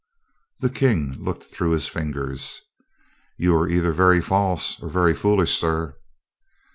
The King looked through his fingers. "You are either very false or very foolish, sir."